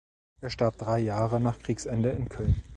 Er starb drei Jahre nach Kriegsende in Köln.